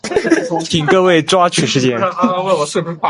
请各位抓紧时间。